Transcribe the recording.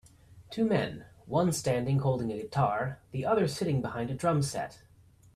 Two men one standing holding a guitar, the other sitting behind a drum set.